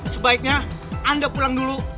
sebaiknya anda pulang dulu